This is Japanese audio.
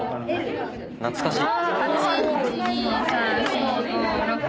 懐かしっ。